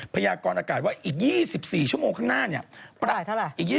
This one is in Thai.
พญากรอากาศว่าอีก๒๔ชั่วโมงข้างหน้าเนี่ย